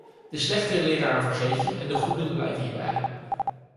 De slechte leraren vergeet je en de goeden blijven je bij.